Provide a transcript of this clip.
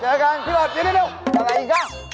เจอกันพี่กล้ามอยู่นี่นิดหนึ่งงั้นไอ้นี่ก็